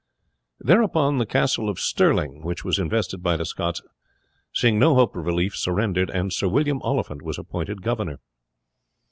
Thereupon the castle of Stirling, which was invested by the Scots, seeing no hope of relief, surrendered, and Sir William Oliphant was appointed governor.